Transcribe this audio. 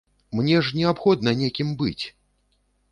Мне ж неабходна некім быць!